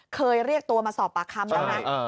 เคยเรียกตัวมาสอบปากคำแล้วนะ